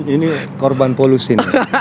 ini korban polusi